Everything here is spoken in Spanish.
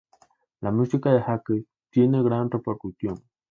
La música de Jacques tiene gran repercusión.